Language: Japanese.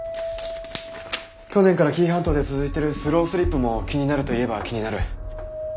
去年から紀伊半島で続いてるスロースリップも気になると言えば気になる。